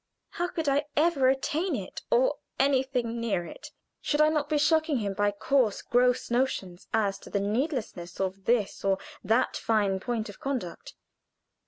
How could I ever attain it or anything near it? Should I not be constantly shocking him by coarse, gross notions as to the needlessness of this or that fine point of conduct?